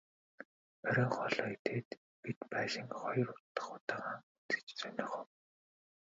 Оройн хоолоо идээд бид байшинг хоёр дахь удаагаа үзэж сонирхов.